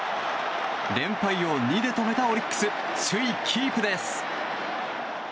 連敗を２で止めたオリックス首位キープです。